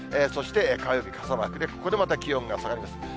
そして火曜日、傘マークで、ここでまた気温が下がります。